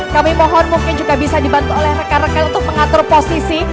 kami mohon mungkin juga bisa dibantu oleh rekan rekan untuk mengatur posisi